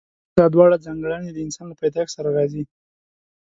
دا دواړه ځانګړنې د انسان له پيدايښت سره راځي.